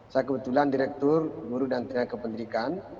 saya kebetulan direktur guru dan tenaga kependidikan